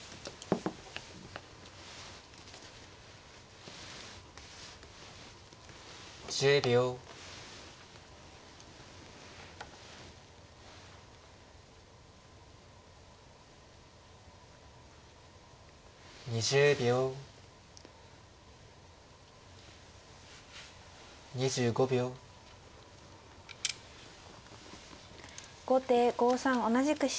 後手５三同じく飛車。